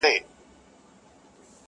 زور لرو زلمي لرو خو مخ د بلا نه نیسي -